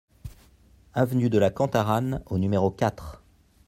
Avenue de la Cantaranne au numéro quatre